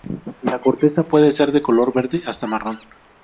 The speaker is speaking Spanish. La corteza puede ser de color verde hasta marrón.